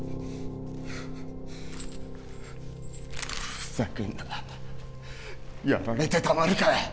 ふざけるなやられてたまるかよ